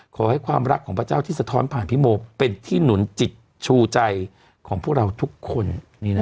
ขอให้ความรักของพระเจ้าที่สะท้อนผ่านพี่โมเป็นที่หนุนจิตชูใจของพวกเราทุกคน